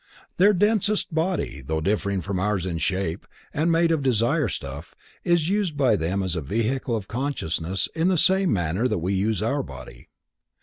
Their densest body, though differing from ours in shape, and made of desire stuff, is used by them as a vehicle of consciousness in the same manner that we use our body.